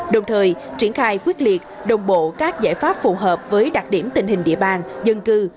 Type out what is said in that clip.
đồng thời triển khai quyết liệt đồng bộ các giải pháp phù hợp với đặc điểm tình hình địa bàn dân cư